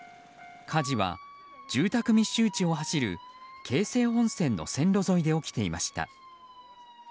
火事は、住宅密集地を走る京成本線の線路沿いで起きていました。